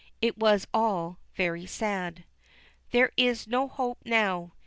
It was all very sad. "There is no hope now.